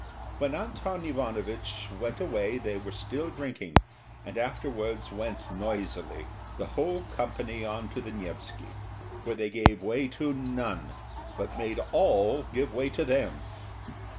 When Anton Ivanovich went away they were still drinking, and afterwards went noisily, the whole company, on to the Nevsky, where they gave way to none, but made all give way to them.